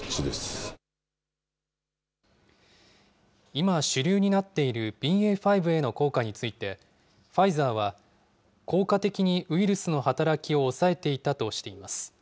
今、主流になっているＢＡ．５への効果について、ファイザーは、効果的にウイルスの働きを抑えていたとしています。